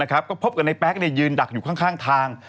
ก็พบกับในแป๊กยืนดักอยู่ข้างทาง